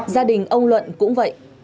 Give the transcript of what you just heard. gia đình ông luận cũng vậy